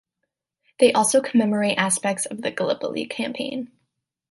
They also commemorate aspects of the Gallipoli Campaign.